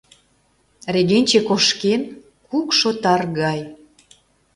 Регенче кошкен — кукшо тар гай.